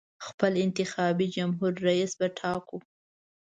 خپل انتخابي جمهور رییس به ټاکو.